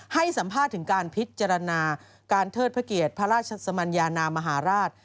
ให้สัมภาษณ์ถึงการพิจารณาการเทิดพระเกียรติพระราชสมัญญานามหาราช